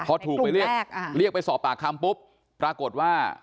พอถูกไปเรียกเรียกไปสอบปากคำปุ๊บปรากฏว่า